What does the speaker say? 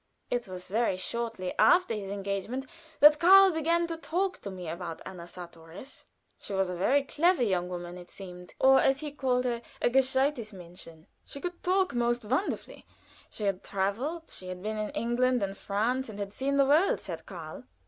It was very shortly after his engagement that Karl began to talk to me about Anna Sartorius. She was a clever young woman, it seemed or as he called her, a gescheidtes Mädchen. She could talk most wonderfully. She had traveled she had been in England and France, and seen the world, said Karl.